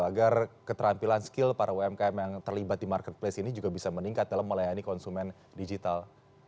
agar keterampilan skill para umkm yang terlibat di marketplace ini juga bisa meningkat dalam melayani konsumen digital